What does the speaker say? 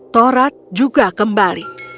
torat juga kembali